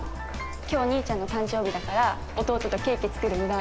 今日お兄ちゃんの誕生日だから弟とケーキ作るんだ。